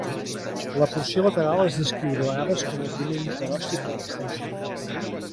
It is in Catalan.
La porció lateral es descriu de vegades com el primer interossi plantar.